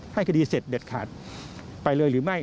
ให้คดีเสร็จเด็ดขาดไปเลยหรือไม่